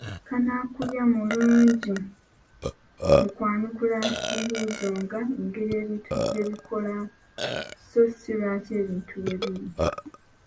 Kannakumanya mulungi mu kwanukula bibuuzo nga: engeri ebintu gye bikolamu so ssi lwaki ebintu weebiri?